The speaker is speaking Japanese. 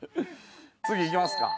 次いきますか。